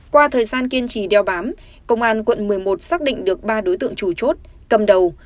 qua thời gian kiên trì đeo bám công an quận một mươi một xác định được ba đối tượng chủ chốt cầm đầu